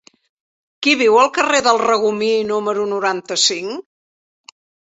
Qui viu al carrer del Regomir número noranta-cinc?